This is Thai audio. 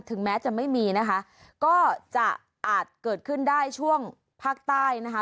แม้จะไม่มีนะคะก็จะอาจเกิดขึ้นได้ช่วงภาคใต้นะคะ